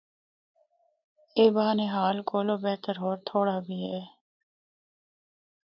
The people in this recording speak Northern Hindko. اے بانہال کولو بہتر ہور تھوڑا بھی اے۔